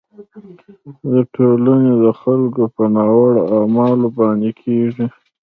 د ټولنې د خلکو په ناوړه اعمالو باندې کیږي.